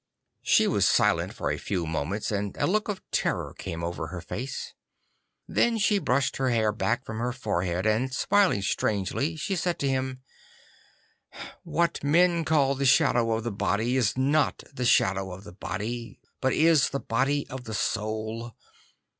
She was silent for a few moments, and a look of terror came over her face. Then she brushed her hair back from her forehead, and smiling strangely she said to him, 'What men call the shadow of the body is not the shadow of the body, but is the body of the soul.